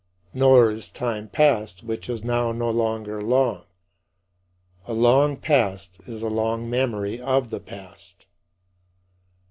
Nor is time past, which is now no longer, long; a "long past" is "a long memory of the past."